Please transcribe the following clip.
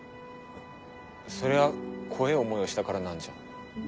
それは怖えぇ思いをしたからなんじゃ。